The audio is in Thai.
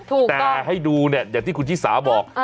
แต่ให้ดูเนี่ยอย่างที่คุณชิสาบอก